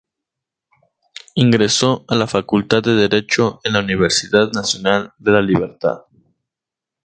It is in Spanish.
Ingresó a la Facultad de Derecho en la Universidad Nacional de La Libertad.